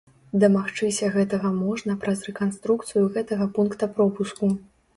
Дамагчыся гэтага можна праз рэканструкцыю гэтага пункта пропуску.